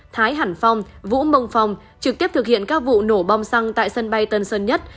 thái hẳn phong vũ mông phong trực tiếp thực hiện các vụ nổ bom xăng tại sân bay tân sơn nhất